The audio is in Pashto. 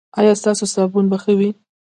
ایا ستاسو صابون به ښه وي؟